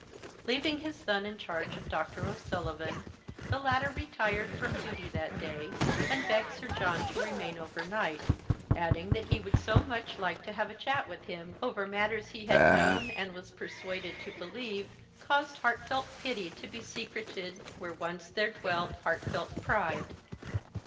Leaving his son in charge of Doctor O'Sullivan, the latter retired from duty that day, and begged Sir John to remain over night, adding that he would so much like to have a chat with him over matters he had known, and was persuaded to believe caused heartfelt pity to be secreted where once there dwelt heartfelt pride.